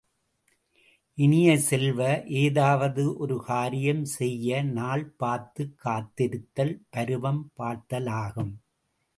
இனிய செல்வ, ஏதாவது ஒரு காரியம் செய்ய நாள் பார்த்துக் காத்திருத்தல் பருவம் பார்த்தலாகும்.